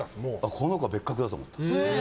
この子は別格だと思った。